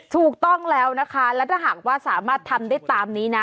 ถูกต้องแล้วนะคะและถ้าหากว่าสามารถทำได้ตามนี้นะ